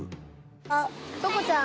あっトコちゃん？